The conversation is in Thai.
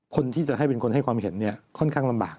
คนที่จะให้เป็นคนให้ความเห็นเนี่ยค่อนข้างลำบาก